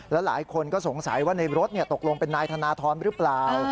แล้วหลายคนก็สงสัยว่าในรถตกลงเป็นนายธนทรหรือเปล่า